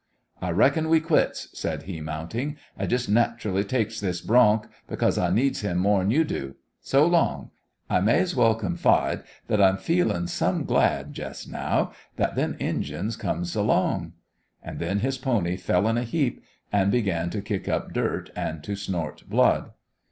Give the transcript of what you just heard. "I reckon we quits," said he, mounting; "I jest nat'rally takes this bronc, because I needs him more'n you do. So long. I may 's well confide that I'm feelin' some glad jest now that them Injins comes along." And then his pony fell in a heap, and began to kick up dirt and to snort blood.